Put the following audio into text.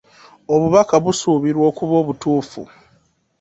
Obubaka busuubirwa okuba obutuufu.